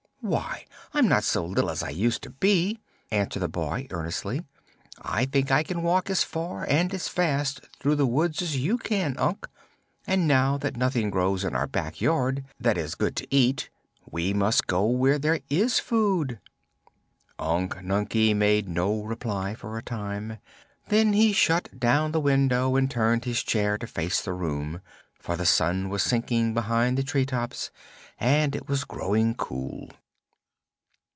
"Why, I'm not so little as I used to be," answered the boy earnestly. "I think I can walk as far and as fast through the woods as you can, Unc. And now that nothing grows in our back yard that is good to eat, we must go where there is food." Unc Nunkie made no reply for a time. Then he shut down the window and turned his chair to face the room, for the sun was sinking behind the tree tops and it was growing cool.